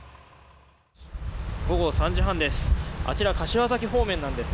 午後３時半です。